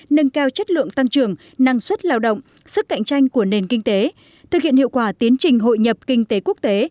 nâng cao chất lượng tăng trưởng năng suất lao động sức cạnh tranh của nền kinh tế thực hiện hiệu quả tiến trình hội nhập kinh tế quốc tế